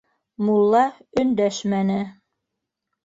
Мулла өндәшмәне.